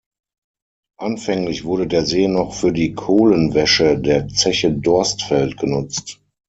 Anfänglich wurde der See noch für die Kohlenwäsche der Zeche Dorstfeld genutzt.